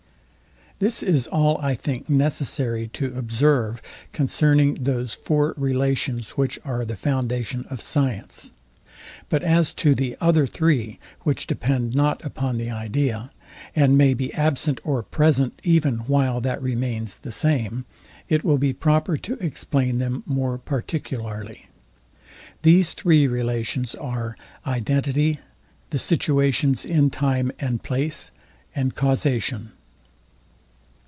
This is all I think necessary to observe concerning those four relations, which are the foundation of science; but as to the other three, which depend not upon the idea, and may be absent or present even while that remains the same, it will be proper to explain them more particularly. These three relations are identity, the situations in time and place, and causation.